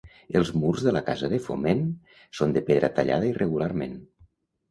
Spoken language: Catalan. Els murs de la casa de Foment són de pedra tallada irregularment.